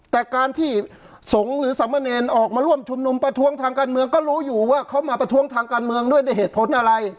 แต่การที่สงฆ์หรือสามเณรออกมาร่วมชุมนุมประท้วงทางการเมืองก็รู้อยู่ว่าเขามาประท้วงทางการเมืองด้วยในเหตุผลอะไร